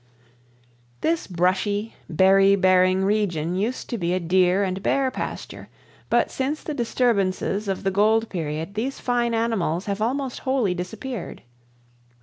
This brushy, berry bearing region used to be a deer and bear pasture, but since the disturbances of the gold period these fine animals have almost wholly disappeared.